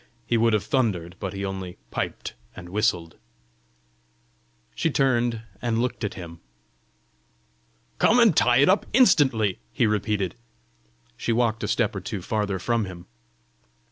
he would have thundered, but he only piped and whistled! She turned and looked at him. "Come and tie it up instantly!" he repeated. She walked a step or two farther from him.